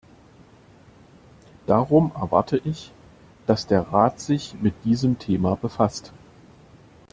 Darum erwarte ich, dass der Rat sich mit diesem Thema befasst.